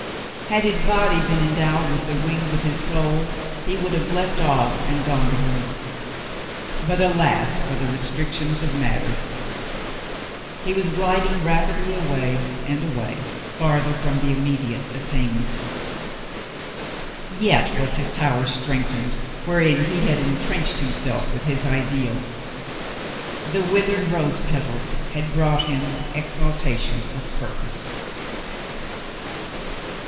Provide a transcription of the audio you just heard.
Had his body been endowed with the wings of his soul, he would have left all and gone to her ; but, alas for the restrictions of matter ! he was gliding rapidly away and away, farther from the immediate attainment. Yet was his tower strengthened wherein he had intrenched himself with his ideals. The withered rose petals had brought him exaltation of purpose.